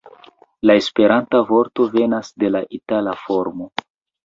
La Esperanta vorto venas de la itala formo.